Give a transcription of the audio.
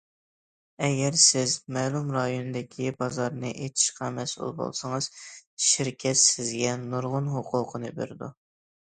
ئەگەر سىز مەلۇم رايوندىكى بازارنى ئېچىشقا مەسئۇل بولسىڭىز، شىركەت سىزگە نۇرغۇن ھوقۇقنى بېرىدۇ.